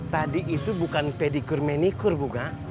tadi itu bukan pedicure manicure bunga